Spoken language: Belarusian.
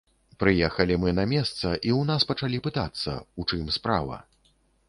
Прыехалі мы на месца, і ў нас пачалі пытацца, у чым справа.